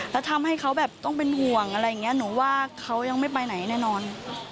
แล้วทำให้เขาแบบต้องเป็นห่วงอะไรอย่างนี้หนูว่าเขายังไม่ไปไหนแน่นอน